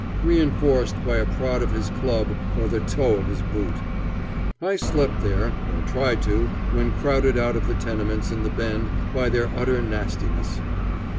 reenforced by a prod of his club or the toe of his boot. I slept there, or tried to when crowded out of the tenements in the Bend by their utter nastiness.